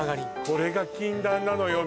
これが禁断なのよ